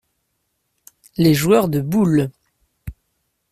Les joueurs de boules.